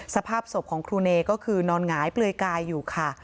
สภาพศพของครูเนก็คือนอนหงายเปลือยกายอยู่ค่ะ